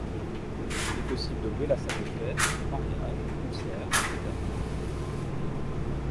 Il est possible de louer la salle des fêtes pour mariages, concerts, etc.